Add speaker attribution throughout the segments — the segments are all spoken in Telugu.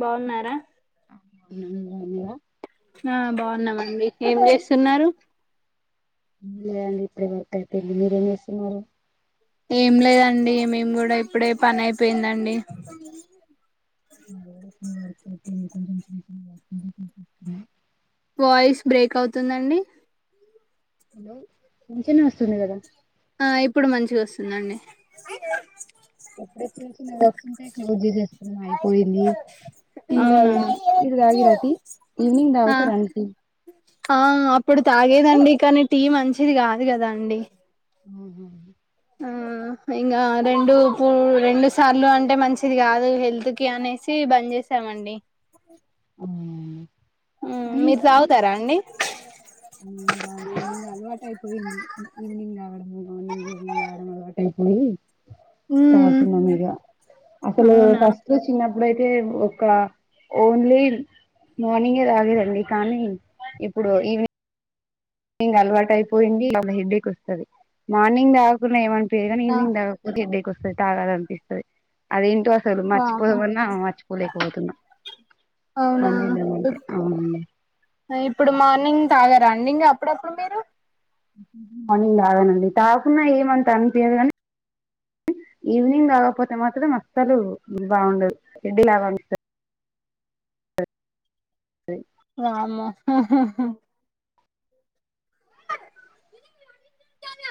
Speaker 1: బావున్నారా
Speaker 2: హ్మ్ అవునా
Speaker 1: ఆ బావున్నామండీ ఏం చేస్తున్నారు
Speaker 2: లేదండి ఇప్పుడే వర్క్ అయిపోయింది మీరేం చేస్తున్నారు
Speaker 1: ఏం లేదండి మేము కూడా ఇప్పుడే పని అయిపోయిందండి
Speaker 2: హు హు
Speaker 1: వాయిస్ బ్రేక్ అవుతుందండి
Speaker 2: హలో పింఛన్ వస్తుంది కదా
Speaker 1: ఆ ఇప్పుడు మంచిగా వస్తుందండి
Speaker 2: ఇప్పుడే చిన్న చిన్నగా వస్తుంటే హు అయిపోయింది టీ
Speaker 1: అవునా
Speaker 2: తాగి మీరు తగిర్ర టీ ఈవినింగ్
Speaker 1: ఆ
Speaker 2: తాగుతారా అండి టీ
Speaker 1: ఆ అప్పుడు తాగేదండి కానీ టీ మంచిది కాదు కదా అండి
Speaker 2: ఉహూ
Speaker 1: ఆ ఇంకా రెండు పూ రెండు సార్లు అంటే మంచిది కాదు హెల్త్ కి అనేసి బంద్ చేసామండి హ్మ్ మీరు తాగుతార అండి
Speaker 2: హ్మ్ బా ముందు అలవాటయిపోయింది ఈవినింగ్ తాగడం మార్నింగ్ ఈవెనింగ్ తాగడం అలవాటైపోయి
Speaker 1: ఉమ్
Speaker 2: తాగుతున్న మీద అసలే
Speaker 1: అవునా
Speaker 2: ఫస్ట్ చిన్న అప్పుడైతే ఒక ఓన్లీ మార్నింగే తాగేదండి కానీ ఇప్పుడు ఈవినింగ్ ఇంగా అలవాటు అయిపోయింది ఈ లోపలహెడ్ డెక్ వస్తుంది మార్నింగ్ తాగకున్న ఏమన నేను కానీ
Speaker 1: ఆ
Speaker 2: ఈవినింగ్ తాగకపోతే హెడ్ డెక్ వస్తది సరే తాగాలనిపిస్తది అదేంటో అసలు
Speaker 1: వామ్మో
Speaker 2: మర్చిపోదమన్నా మర్చిపోలేకపోతున్నాం
Speaker 1: అవునా
Speaker 2: అవునండి
Speaker 1: రన్నింగ్ అప్పుడప్పుడు మీరు
Speaker 2: హు మార్నింగ్ తాగానండి తాకున్నా ఏమంత అనిపియదు కానీ ఈవినింగ్ తాగకపోతే మాత్రం అసలు బావుండదు హెడ్ లాగతది సరే
Speaker 1: వామ్మో హా హా చాలు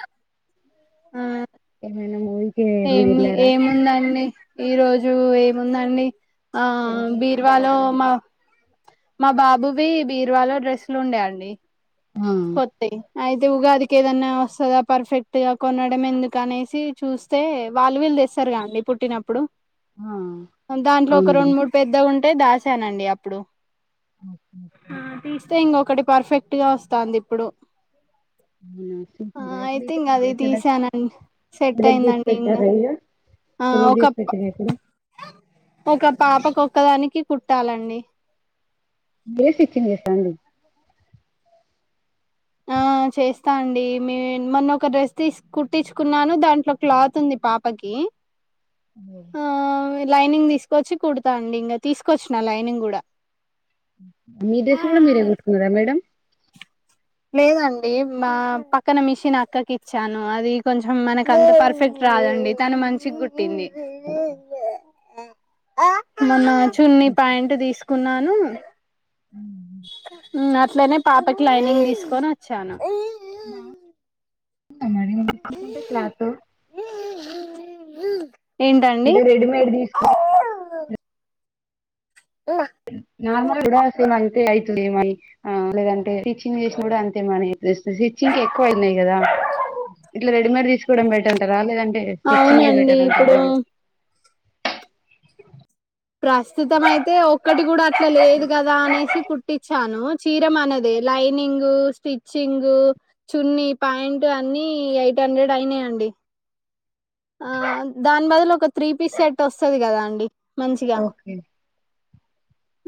Speaker 2: [unintelligible]
Speaker 1: ఏమి
Speaker 2: వెళ్ళారా
Speaker 1: ఏముందండి ఈ రోజు ఏముందండి ఆ బీర్వాలో మా మా బాబువి బీర్వాలో డ్రెస్సు లు ఉండే అండి
Speaker 2: ఆ
Speaker 1: కొత్త యి అయితే ఉగాదికి ఏదన్నా వస్తదా పర్ఫెక్ట్ గా కొనడం ఎందుకు అనేసి చూస్తే వాళ్ళు వీళ్ళు తెస్తారు కదండి పుట్టినప్పుడు
Speaker 2: ఆ
Speaker 1: దాంట్లో ఒక
Speaker 2: అవునండి.
Speaker 1: రెండు మూడు పెద్దవి ఉం అంటే దాశానండి అప్పుడు తీస్తే ఇంగ అక్కడ పర్ఫెక్ట్ గా వస్తంది తాంది ఇప్పుడు
Speaker 2: అవునా
Speaker 1: ఆ
Speaker 2: సూపర్
Speaker 1: అయితే
Speaker 2: ఇప్పుడైతే
Speaker 1: ఇంకా అది
Speaker 2: సె సెలెక్ట్
Speaker 1: తీసానుండి సెట్
Speaker 2: సెలెక్ట్ చేసి
Speaker 1: అయిందండి ఇంకా
Speaker 2: పెట్టారా ఇగ
Speaker 1: ఆ
Speaker 2: సెలెక్ట్
Speaker 1: ఒక
Speaker 2: చేసి పెట్టిర్రా ఇప్పుడు
Speaker 1: ఒక పాపకొక్కదానికి కుట్టాలండి
Speaker 2: మేరీ స్ట్రిక్ట్రింగ్ చేస్తారా అండి
Speaker 1: ఆ చేస్తా అండి మ మొన్న ఒక డ్రెస్ తీసి కుట్టించుకున్నాను దాంట్లో క్లాత్ ఉంది పాపకి
Speaker 2: అఓ
Speaker 1: ఆ లైనింగ్ తీసుకొచ్చి కుడతా అండి ఇంకా తీసుకొచ్చిన లైనింగ్ కూడా
Speaker 2: మీ డ్రెస్ కూడా మీరే కుట్టుకున్నారా మేడం
Speaker 1: లేదండి మా పక్కన మిషన్ అక్కకి ఇచ్చాను అది కొంచెం మనకు అంత పర్ఫెక్ట్ రాదండి తను మంచిగా కుట్టింది మొన్న చున్నీ ప్యాంట్ తీసుకున్నాను అట్లనే పాపకి లైనింగ్ తీస్ కొన వచ్చాను
Speaker 2: క్లాత్ [inaudible] [unintelligible]
Speaker 1: ఏంటండి
Speaker 2: అంటే రెడీమేడ్ తీసుకు నార్మల్ విస అవుతుంది ఏమ లేదంటే స్టిచ్చింగ్ చేసిన కూడా అంతేమ స్టిచ్చింగ్ ఎక్కువ అయినాయి కదా ఇట్లా రెడీమేడ్ తీసుకోవడం పెట్టంటారా లేదంటే స్ట్రిచింగ్
Speaker 1: అవునండి
Speaker 2: బెటర్
Speaker 1: ఇప్పుడు
Speaker 2: అంటరా
Speaker 1: ప్రస్తుతం అయితే ఒక్కటి కూడా అట్లా లేదు కదా అనేసి కుట్టించాను చీరం అనేద లైనింగ స్టిచ్చింగ్ చున్ని పాయాంట్ అన్ని ఎయిట్ హండ్రెడ్ అయినాయండి ఆ దాని బదులు ఒక త్రీ పీస్ సెట్ వస్తుంది కదాండి
Speaker 2: ఓకే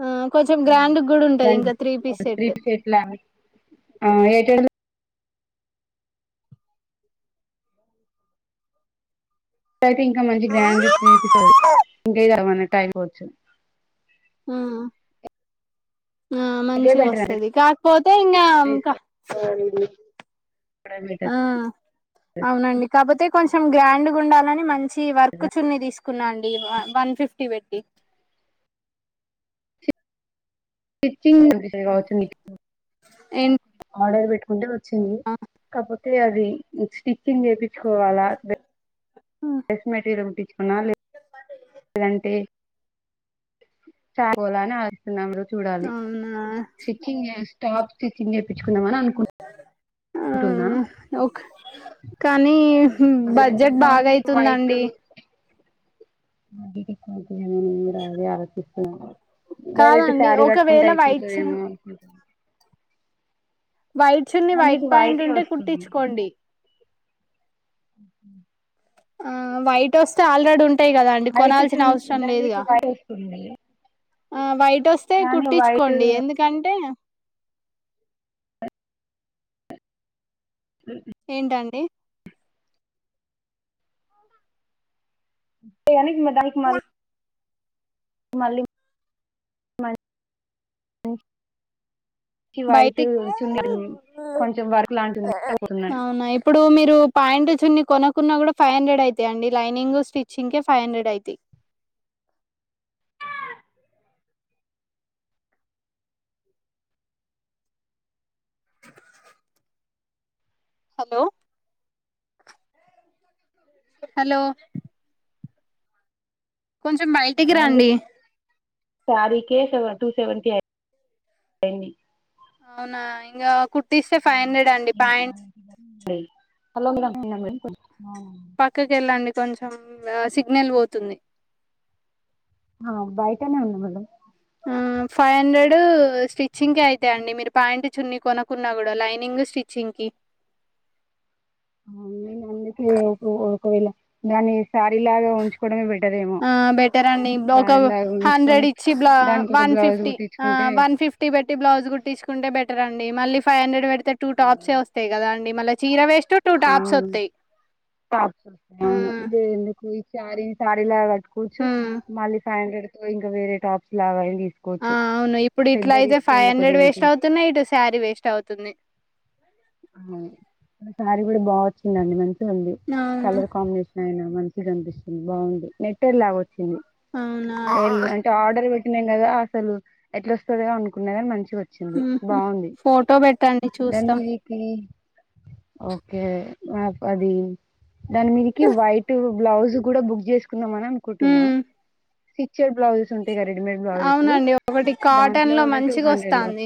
Speaker 1: ఆ కొంచెం గ్రాండ్ కూడా ఉంటది
Speaker 2: దానికి
Speaker 1: ఇంకా త్రీ పీస్
Speaker 2: ఒక త్రీ
Speaker 1: సెట్టు
Speaker 2: ఎట్లా ఆ! ఎయిట్ హండ్రెడ్ అయితే ఇంకా మంచి గ్రాండ్ చేపిస్తుంది ఇంకే కాన వచు
Speaker 1: ఆ ఆ
Speaker 2: ఇదే
Speaker 1: మంచిగా
Speaker 2: బెటర్ అండి
Speaker 1: వస్తది కాకపోతే ఇంకా ఇంకా
Speaker 2: తీసుకోవడం బెటర్
Speaker 1: ఆ అవునండి కాకపోతే కొంచెం గ్రాండ్ గా ఉండాలని మంచి వర్క్ చున్ని తీసుకు కున్నాండి వన్ ఫిఫ్టీ పెట్టి
Speaker 2: స్టిచ్చింగ్ ఉంటాయి కావచ్చు నీకి [unintelligible]
Speaker 1: ఏం
Speaker 2: డ పెట్టుకుంట వచ్చింది కాపోతే అ కోవాలా బే డ్రెస్ మెటీరియల్ కుటిచ్ మా నాన్
Speaker 1: మందేలి
Speaker 2: ఇలాంటె చాలాని ఆడుస్తున్నాం చూడాలి
Speaker 1: అవునా
Speaker 2: సిక్కింగ్ టాప్ స్టిచింగ్ చెపిత్ తెచ్చుకున్నామని అను
Speaker 1: ఆ!
Speaker 2: టున్న
Speaker 1: ఓకే కానీ బడ్జెట్ బాగా
Speaker 2: వైట్
Speaker 1: అయితుందండి
Speaker 2: బడ్జెట్ ఎక్కువ న ఏమి రాదే ఆలోచిస్తున్నా డైరెక్ట్
Speaker 1: కాదండి
Speaker 2: శారీ కట్టుకుంటే
Speaker 1: ఒకవేళ వైట్ చు
Speaker 2: అయిపోతదేమో అనుకుంట
Speaker 1: వైట్ చున్ని వైట్
Speaker 2: మీకు
Speaker 1: పాయింట్
Speaker 2: వైటే
Speaker 1: ఉంటే
Speaker 2: వస్తుంది
Speaker 1: కుట్టిచ్చుకోండి
Speaker 2: అ
Speaker 1: ఆ వైట్ వస్తే ఆల్రెడ్ ఉంట
Speaker 2: అయితే చున్ మీకు వైట్ వస్తుంది
Speaker 1: ఆ వైట్ పట్టొస్తే
Speaker 2: కానీ వైట్
Speaker 1: కుట్టించుకోండి ఎందుకంటే ఏంటండి
Speaker 2: [inaudible] దానికి మల్ మళ్ళీ [unintelligible] మాల [unintelligible] కి వైట్
Speaker 1: బయటికి
Speaker 2: చున్నీ కొంచెం వర్క్ లాంటి ఉంది కూన్నాడు
Speaker 1: అవునా ఇప్పుడు మీరు పాయింట్ చున్ని కొనుక్కున్నా కూడా ఫైవ్ హండ్రెడ్ అయితాయి అండి లైనింగ్ స్టిచ్చింగ్ కే ఫైవ్ హండ్రెడ్ ఐతయ్ హలో హలో కొంచెం బయటకి రండి
Speaker 2: సారీ కె సెవెన్ టూ సెవెంటీ [unintelligible] అయ్యింది
Speaker 1: అవునా ఇంకా కుట్టిస్తే ఫైవ్ హండ్రెడ్ అండి ప్యాంట్
Speaker 2: హలో [unintelligible] ఆ
Speaker 1: పక్కకి వెళ్ళండి కొంచెం సిగ్నల్ పోతుంది
Speaker 2: ఆ బయటనే ఉన్న మేడమ్
Speaker 1: ఆ ఫైవ్ హండ్రెడ్ స్టిచ్చింగ్ క అయితాయ్ అండి మీరు పాయాంట్ చున్ని కొనుక్కున్నా కూడా లైనింగ్ స్టిచ్చింగ్ కి
Speaker 2: అవును లేండి అందుకే ఓ ఒకవేళ దాని శారీ లాగా ఉంచుకోవడమే పెట్
Speaker 1: ఆ బెటర్ అండి ఒక హండ్రెడ్
Speaker 2: ఉంచుకొని
Speaker 1: ఇచ్చి బ్లా
Speaker 2: దానికి ఒక
Speaker 1: వన్
Speaker 2: బ్లౌజ్
Speaker 1: ఫిఫ్టీ ఆ
Speaker 2: కుట్టించుకుంటే
Speaker 1: వన్ ఫిఫ్టీ పెట్టి బ్లౌజ్ కుట్టిచ్చుకుంటే బెటర్ అండి దే మళ్ళీ ఫైవ్ హండ్రెడ్ పెడితే టూ టాప్సే వస్తాయి కద అండి మళ్ళీ చీర వే
Speaker 2: అవునుస్తే అవును
Speaker 1: ఉమ్
Speaker 2: ఇ ఎందుకు శారిని సా కూ
Speaker 1: ఉమ్
Speaker 2: మళ్ళ ఫైవ్ హండ్రెడ ఇ ఇంకా వే టాప్సగాడి
Speaker 1: ఆ అవును ఇప్పుడు ఇట్లా అయితే ఫైవ్ హండ్రెడ్
Speaker 2: దీనికి
Speaker 1: వేస్ట్ అవుతున్నాయి ఇటు శారీ వేస్ట్ అవుతుంది
Speaker 2: ఆ ఒకసారి కూడా బాగా వచ్చిందండి మంచి ఉంది
Speaker 1: అవును
Speaker 2: కలర్ కాంబినేషన్ అయినా మంచిగా అనిపిస్తుంది బాగుంది నెట్టె చ్చు
Speaker 1: అవునా
Speaker 2: ఎల్ అంటే ఆర్డర్ న్నాం కదా అసలు ఎట్లా వస్తుందో అనుకున్నారని మంచి
Speaker 1: ఉ ఫోటో పెట్టండి
Speaker 2: దాని
Speaker 1: చూస్తాం
Speaker 2: మీదికి ఓకే మాది దాని మీరికి వైట్ బ్లౌజ్ కూడా బక్ చే కుంద మన అనుకుంటున్నా
Speaker 1: ఉమ్
Speaker 2: స్టిచ్చెడ్ బ్లౌజెస్ ఉంటాయి క రెడీమేడ్ బ్లౌజెస్
Speaker 1: అవునండి ఒకటి కాటన్
Speaker 2: దాంట్లో
Speaker 1: లో
Speaker 2: కూడా టూ
Speaker 1: మంచిగా
Speaker 2: హండ్రెడ్ లో
Speaker 1: వస్తాంది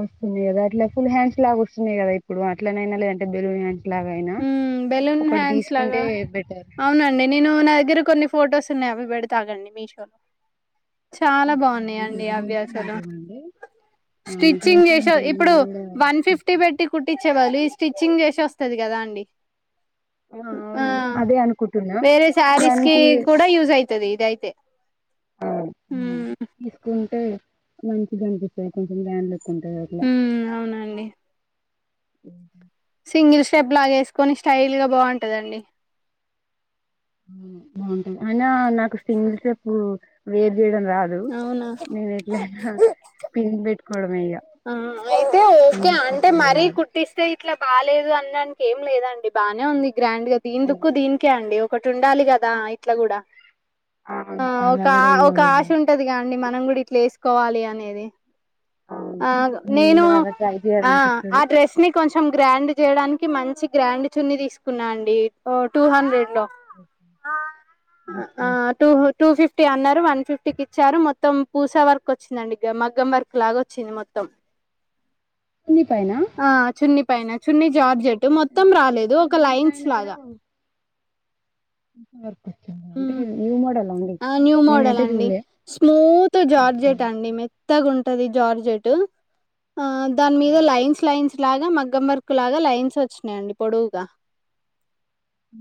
Speaker 2: వస్తుందియి కాట్ హా ఇలాగ వస్తున్నాయి కదా ఇప్పుడు అట్లనైనా లేదంట బెరు
Speaker 1: బెలూన్ హ్యాండ్స్ లాగా
Speaker 2: బెటర్
Speaker 1: అవునండి నేను నా దగ్గర కొన్ని ఫొటోస్ నవబెడి తాగండి మీషోలో చాలా
Speaker 2: ఓకే
Speaker 1: బాగున్నాయిండి
Speaker 2: లింక్స్
Speaker 1: అవ్యాసాలు
Speaker 2: పంపియమండి ఆ నాకు
Speaker 1: స్టిచ్చింగ్
Speaker 2: లింక్స్
Speaker 1: చేసా
Speaker 2: పంపియండి
Speaker 1: ఇప్పుడు
Speaker 2: నేను కూడా
Speaker 1: వన్ ఫిఫ్టీ పెట్టి కుట్టించ చెవాు ఈ స్టిచ్చింగ్ చేసి వస్తుది కదా అండి అండి ఆ
Speaker 2: అవును అదే అనుకుంటున్నా
Speaker 1: వేరే సారీస్కి
Speaker 2: దానికి
Speaker 1: కూడా యూజర్ అయితది ఇదయితే
Speaker 2: తీసుకుంటే మంచిగా కనిపిస్తుంది కొంచెం దానిలో కొ వరిల
Speaker 1: మ్మ్ అవునండి
Speaker 2: అ
Speaker 1: సింగిల్ స్టెప్ లాగ వేసుకొని స్టైల్ గా బాగుంటదండి
Speaker 2: బాగుంటాయి అయినా నాకు సింగల్ సేపు వేరు చేయ రాదు
Speaker 1: అవునా
Speaker 2: నేను ఎట్లయినా ప పెట్ ఆ
Speaker 1: అయితే ఓకే
Speaker 2: స్టెప్
Speaker 1: అంటే మరీ
Speaker 2: బావుండదు.
Speaker 1: కుట్స్ ఇట్లా బాలేదు అనడానికి ఏం లేదండి బానే ఉంది గ్రాండ్గా దీని
Speaker 2: హ్మ్.
Speaker 1: లుక్కు దీనికే అండి ఒకటి ఉండాలి కదా ఇట్లా కూడా ఆ
Speaker 2: అలా
Speaker 1: ఒక
Speaker 2: గూడా
Speaker 1: ఒక
Speaker 2: ఉండాలి గదా!
Speaker 1: ఆశ ఉంటదిగా అండి మనం గుడి లేసుకోవాలి అనేది
Speaker 2: అవును.
Speaker 1: ఆ నేను
Speaker 2: అలా ట్రై
Speaker 1: ఆ ఆ
Speaker 2: జేయాలనిపిస్తది.
Speaker 1: డ్రెస్ ని కొంచం గ్రాండ్ చేయడానికి మంచి గ్రాండ్ చున్నీ తీసుకున్నాండి టూ హండ్రెడ్ ఆ
Speaker 2: ఓకే.
Speaker 1: టూ టూ ఫిఫ్టీ అన్నారు వన్ ఫిఫ్టీకి ఇచ్చారు మొత్తం పూసా వర్క్ వచ్చిందండి ఇగ మగ్గం వర్క్ లాగా వచ్చింది మొత్తం
Speaker 2: చున్నీ పైనా?
Speaker 1: ఆ చున్నీ పైైన చున్ని
Speaker 2: చున్నీ
Speaker 1: జార్జెట్
Speaker 2: పై
Speaker 1: మొత్తం రాలేదు ఒక
Speaker 2: చున్నీ
Speaker 1: లైన్స్
Speaker 2: పైన గూడా
Speaker 1: లాగా
Speaker 2: వర్కొచ్చిందా? అంటే
Speaker 1: మ్
Speaker 2: న్యూ మోడలా అండి?
Speaker 1: న్యూ మోడల్
Speaker 2: నేనైతే
Speaker 1: అండి
Speaker 2: జూడలే.
Speaker 1: Smooth
Speaker 2: okay.
Speaker 1: జార్జెట్ అండి మెత్తగా ఉంటా టది జార్జట్ ఆ దాని మీద లైన్స్ లైన్స్ లాగా మగ్గం వర్కు లాగా లైన్స్ వచ్చినాయండి పొడవుగా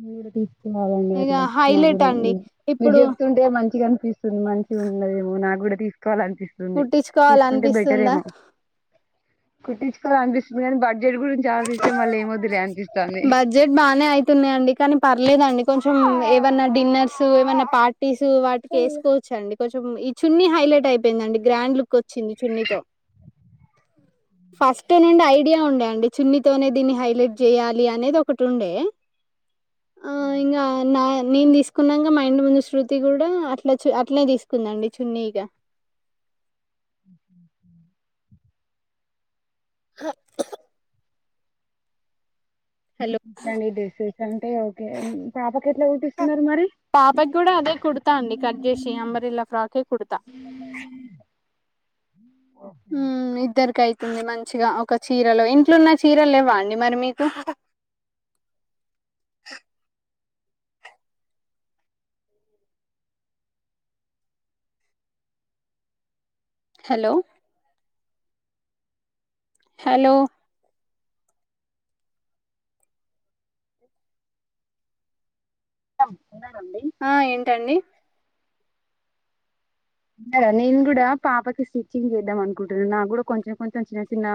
Speaker 2: మీరు కాదండి అట్లా నా
Speaker 1: హైలైట్
Speaker 2: కూడా
Speaker 1: అండి
Speaker 2: మీరు
Speaker 1: ఇప్పుడు
Speaker 2: చెప్తుంటే మంచిగాని స్తుంది మంచిగా ఉండదేమో నాకు కూడా తీ కోవాలనిపిస్తుంది
Speaker 1: కుట్టించుకోవాలి
Speaker 2: తీసుకుంటే బెటర్
Speaker 1: అనిపిస్తుందా
Speaker 2: ఏమో కొట్టి అనిపిస్తుంది కానీ బర్డ్ చెడు గురించి ఆలోచస్తే మళ్ళీ ఏమీవద్దులే అనిపిస్తంది
Speaker 1: న్నాడి కానీ పర్లేదండి కొంచం ఏమన్న డిన్నర్స్ ఏమన్న పార్టీస్ వాటికి వేసుకోవచ్చండి కొంచెం ఈ చున్ని హైలైట్ అయిపోయిందిండి గ్రాండ్ లుక్ వచ్చింది చున్నీతో ఫస్ట్ నుండి ఐడియా ఉండేండి చున్నితోనే దీన్ని హైలైట్ చేయాలి అనేది ఒకటి ఉండే మ్ ఇంకా అవునా నేను తీసుకున్నాక మా ఇంటి ముందు శ్రృతి కూడా అట్లా చ అట్నే తీసుకుందండి చున్నీగా
Speaker 2: మ్ ఓకే ఓకే
Speaker 1: హలో
Speaker 2: [inaudible] అంటే ఓకే ఉమ్ చాపు
Speaker 1: పాపకి కూడా అదే కుడతా అండి కట్ చేసి అంబ్రిలా ఫ్రాక్ ఏ కుడతా ఊ ఇద్దరికై కుంది మంచిగా ఒక చీరలో ఇంట్లున్న చీరలు లెవ్వా అండి మరి మీకు హెలో హలో
Speaker 2: టమ్
Speaker 1: ఆ ఏంటండి
Speaker 2: జర నేన్ కూడా పాపకి స్టిచ్చింగ్ చేద్దాం అనుకుంటున్నాను నాకు కూడా కొంచెం కొంచెం చిన్న చిన్న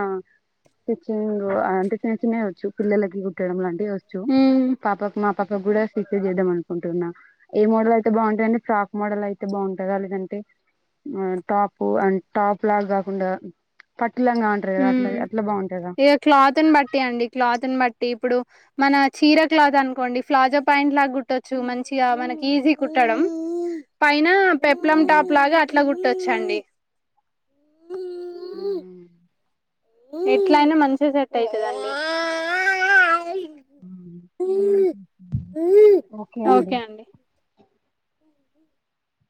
Speaker 2: స్టిచ్చింగ్ అంటే చిన్న చిన్నవి వచ్చు పిల్లలకి కుట్టడం లాంటి వచ్చు
Speaker 1: ఉమ్
Speaker 2: పాపక్ మా పక్క కూడా స్విచ్ చేద్దాం అనుకుంటున్నా ఏ మోడల్ అయితే బాగుంటుందండి ఫ్రాక్ మోడల్ అయితే బాగుంటందా లేదంటే ఆ టాప్ అండ్ టాప్ లాగ కాకుండా ప
Speaker 1: ఉమ్ ఇక క్లాత్న్ బట్టి అండి క్లాత్న్ బట్టి ట్టి ఇప్పుడు మన చీర క్లాత్ అనుకోండి ఫ్లాజా పాయింట్ లాగా కుట్టొచ్చు మంచిగా మనకి ఈజీ కుట్టడం పైన పెప్లం టాప్ లాగ అట్ల గు ట్టొచ్చండి ఇట్ల అయిన మంచిగ సట్ అయితుదం
Speaker 2: ఉమ్ నేను కూడా చ ఓకే అండి